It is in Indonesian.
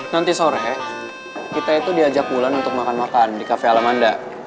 nanti sore kita itu diajak wulan untuk makan makan di kafe alamanda